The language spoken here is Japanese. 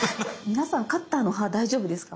皆さんカッターの刃大丈夫ですか？